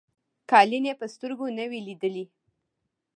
قالیني په سترګو نه وې لیدلي.